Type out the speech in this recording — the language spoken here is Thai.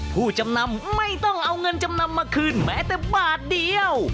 ผู้จำนำไม่ต้องเอาเงินจำนำมาคืนแม้แต่บาทเดียว